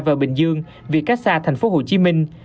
và bình dương vì cách xa thành phố hồ chí minh